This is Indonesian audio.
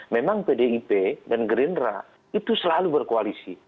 memang pdip dan gerindra itu selalu berkoalisi